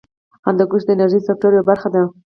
هندوکش د انرژۍ سکتور یوه برخه ده.